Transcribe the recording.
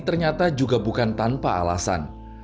ternyata juga bukan tanpa alasan